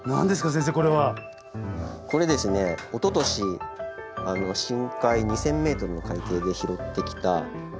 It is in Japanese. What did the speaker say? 先生これは。これですねおととし深海２，０００ｍの海底で拾ってきた缶です。